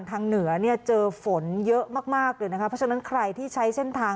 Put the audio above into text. เหนือเนี่ยเจอฝนเยอะมากมากเลยนะคะเพราะฉะนั้นใครที่ใช้เส้นทาง